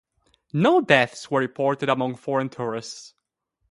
No deaths were reported among foreign tourists.